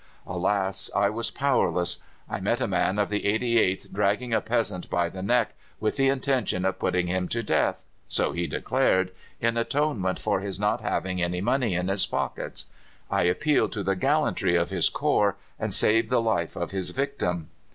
Alas! I was powerless. I met a man of the 88th dragging a peasant by the neck, with the intention of putting him to death so he declared in atonement for his not having any money in his pockets! I appealed to the gallantry of his corps, and saved the life of his victim."